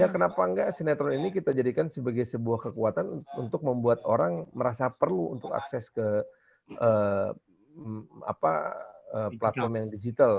kenapa enggak sinetron ini kita jadikan sebagai sebuah kekuatan untuk membuat orang merasa perlu untuk akses ke platform yang digital